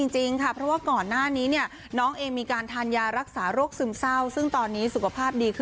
จริงค่ะเพราะว่าก่อนหน้านี้เนี่ยน้องเองมีการทานยารักษาโรคซึมเศร้าซึ่งตอนนี้สุขภาพดีขึ้น